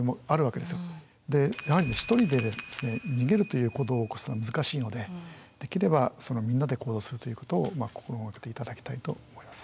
でやはり１人で逃げるという行動を起こすのは難しいのでできればみんなで行動するということを心掛けて頂きたいと思います。